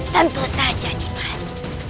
tentu saja dimas